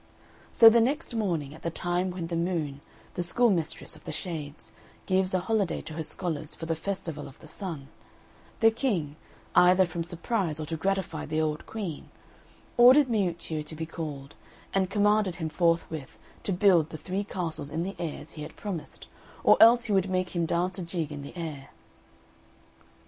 So the next morning, at the time when the Moon, the school mistress of the Shades, gives a holiday to her scholars for the festival of the Sun, the King, either from surprise or to gratify the old Queen, ordered Miuccio to be called, and commanded him forthwith to build the three castles in the air as he had promised, or else he would make him dance a jig in the air.